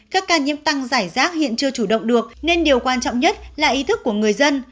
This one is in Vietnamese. các ca nhiễm tăng giải rác hiện chưa chủ động được nên điều quan trọng nhất là ý thức của người dân